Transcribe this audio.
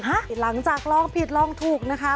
หลังจากลองผิดลองถูกนะคะ